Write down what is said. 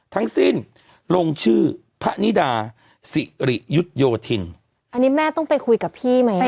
ทั้งสิ้นลงชื่อพระนิดาสิริยุทธโยธินอันนี้แม่ต้องไปคุยกับพี่ไหม